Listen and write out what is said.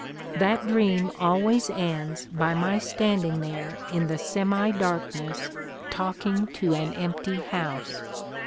That dream always ends by my standing there in the semi darkness talking to an empty house."